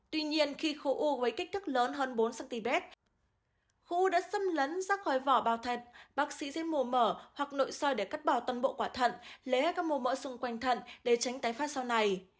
tuy nhiên khi khối u với kích thước lớn hơn bốn cm khối u đã xâm lấn ra khỏi vỏ bào thận bác sĩ sẽ mùa mỡ hoặc nội soi để cắt bỏ toàn bộ quả thận lấy các mùa mỡ xung quanh thận để tránh tái phát sau này